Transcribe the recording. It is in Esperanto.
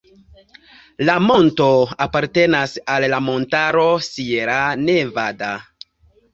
La monto apartenas al la montaro Sierra Nevada.